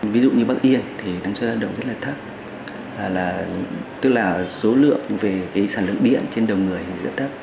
ví dụ như bắc yên thì năng suất lao động rất là thấp tức là số lượng về sản lượng điện trên đầu người rất thấp